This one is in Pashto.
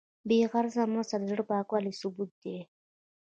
بېغرضه مرسته د زړه پاکوالي ثبوت دی.